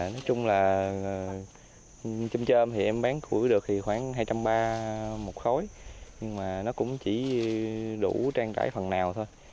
nói chung là trôm trôm thì em bán củi được khoảng hai trăm ba mươi một khối nhưng mà nó cũng chỉ đủ trang trải phần nào thôi